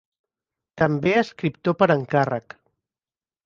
També escriptor per encàrrec.